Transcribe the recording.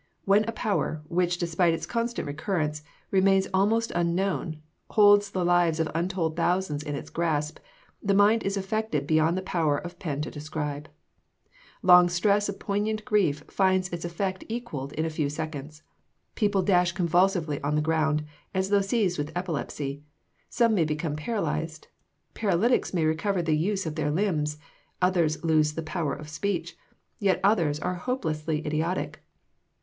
When a power, which despite its constant recurrence, remains almost unknown, holds the lives of untold thousands in its grasp, the mind is affected beyond the power of pen to describe. Long stress of poignant grief finds its effects equalled in a few seconds. People dash convulsively on the ground, as though seized with epilepsy. Some may become paralyzed: paralytics may recover the use of their limbs: others lose the power of speech: yet others are hopelessly idiotic.